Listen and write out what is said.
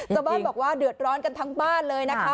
ชาวบ้านบอกว่าเดือดร้อนกันทั้งบ้านเลยนะคะ